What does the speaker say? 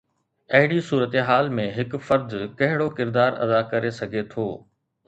اهڙي صورتحال ۾ هڪ فرد ڪهڙو ڪردار ادا ڪري سگهي ٿو؟